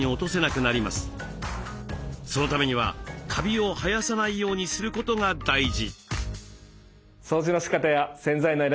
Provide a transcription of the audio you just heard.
そのためにはカビを生やさないようにすることが大事。